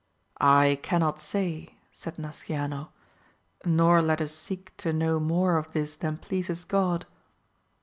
I cannot say, said Nasciano, nor let us seek to know more of this than pleases God.